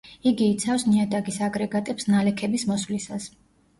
იგი იცავს ნიადაგის აგრეგატებს ნალექების მოსვლისას.